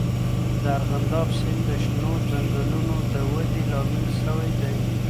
د ارغنداب سیند د شنو ځنګلونو د ودې لامل سوی دی.